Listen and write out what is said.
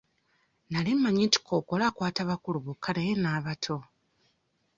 Nali mmanyi nti Kkookolo akwata bakulu bokka naye n'abato!